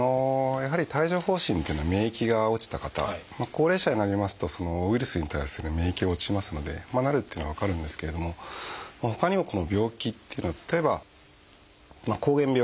やはり帯状疱疹っていうのは免疫が落ちた方高齢者になりますとウイルスに対する免疫が落ちますのでなるっていうのは分かるんですけれどもほかにもこの病気っていうのは例えば膠原病。